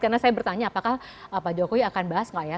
karena saya bertanya apakah pak jokowi akan bahas nggak ya